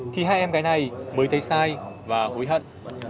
thì hai em gái này mới thấy sai và hối hận